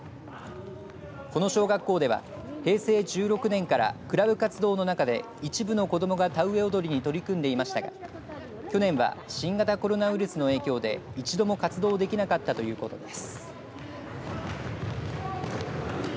この小学校では平成１６年からクラブ活動の中で一部の子どもが田植踊りに取り組んでいましたが去年は新型コロナウイルスの影響で一度も活動できなかったということです。